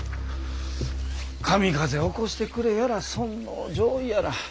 神風起こしてくれやら尊王攘夷やら。